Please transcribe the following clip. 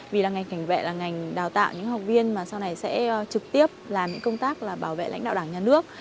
vì là ngành cảnh vệ là ngành đào tạo những học viên mà sau này sẽ trực tiếp làm những công tác là bảo vệ lãnh đạo đảng nhà nước